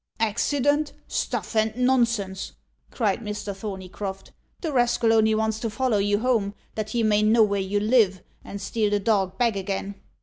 "Accident! stuff and nonsense!" cried Mr. Thorneycroft. "The rascal only wants to follow you home, that he may know where you live, and steal the dog back again.